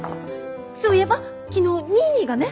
そういえば昨日ニーニーがね。